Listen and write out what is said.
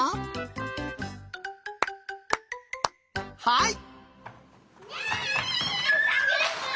はい。